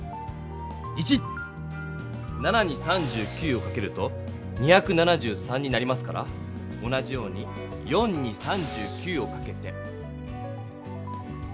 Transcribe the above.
７に３９をかけると２７３になりますから同じように４に３９をかけて。